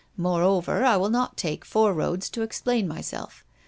Moreover, I will not take four roads to explain myself.